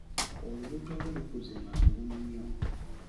Olubuto lwe lukuze mangu nnyo.